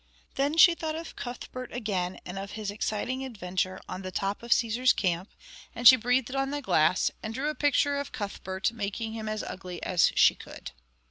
Then she thought of Cuthbert again and of his exciting adventure on the top of Cæsar's Camp, and she breathed on the glass, and drew a picture of Cuthbert, making him as ugly as she could.